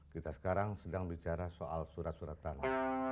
kita sekarang sedang bicara soal surat surat tanah